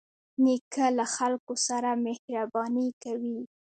نیکه له خلکو سره مهرباني کوي.